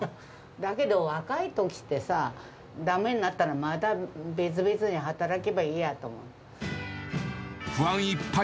だけど、若いときってさ、だめになったらまた別々に働けばいいやと思って。